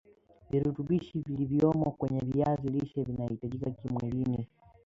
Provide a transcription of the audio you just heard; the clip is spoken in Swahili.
virutubishi vilivyomo kwenye viazi lishe vinahitajika mwilini